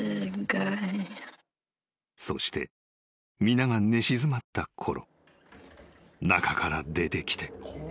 ［そして皆が寝静まったころ中から出てきて］